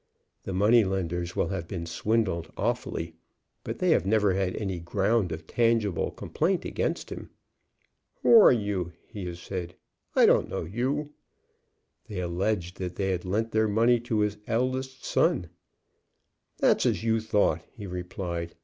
The money lenders will have been swindled awfully, but they have never had any ground of tangible complaint against him. 'Who are you?' he has said. 'I don't know you.' They alleged that they had lent their money to his eldest son. 'That's as you thought,' he replied.